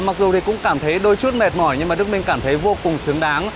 mặc dù thì cũng cảm thấy đôi chút mệt mỏi nhưng mà đức minh cảm thấy vô cùng xứng đáng